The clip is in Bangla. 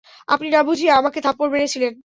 আপনি না বুঝেই আমাকে থাপ্পড় মেরেছিলেন।